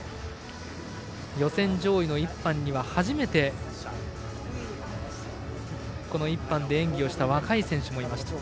予選上位の１班には初めて、この１班で演技をした若い選手もいました。